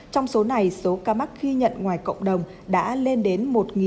trong số này số ca mắc ghi nhận ngoài cộng đồng đã lên đến một một trăm linh